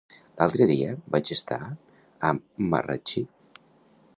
L'altre dia vaig estar a Marratxí.